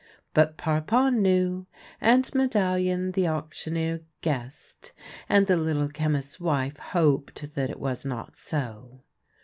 But Parpon knew, and Medallion the auctioneer guessed ; and the Little Chemist's wife hoped that it was not so.